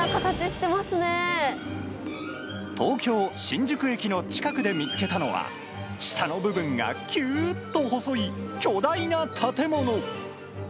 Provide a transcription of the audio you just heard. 東京・新宿駅の近くで見つけたのは、下の部分がきゅーっと細い巨大な建物。